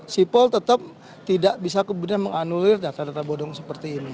sipol tetap tidak bisa kemudian menganulir data data bodong seperti ini